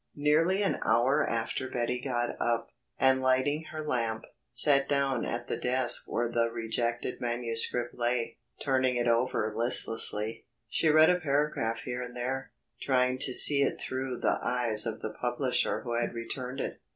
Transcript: Nearly an hour after Betty got up, and lighting her lamp, sat down at the desk where the rejected manuscript lay. Turning it over listlessly, she read a paragraph here and there, trying to see it through the eyes of the publisher who had returned it.